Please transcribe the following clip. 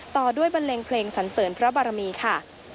ต่อด้วยบันเลงเพลงสันเสริญพระบารมีค่ะ